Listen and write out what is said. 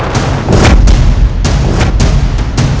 dan beri mak waldentin